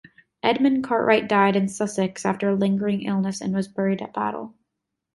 Edmund Cartwright died in Sussex after a lingering illness and was buried at Battle.